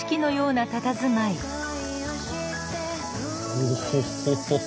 オホホホ。